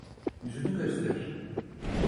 Yüzünü göster.